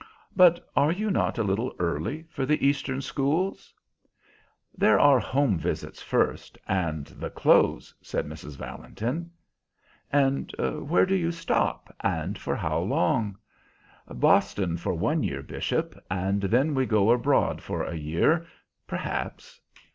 "But are you not a little early for the Eastern schools?" "There are the home visits first, and the clothes," said Mrs. Valentin. "And where do you stop, and for how long?" "Boston, for one year, Bishop, and then we go abroad for a year, perhaps."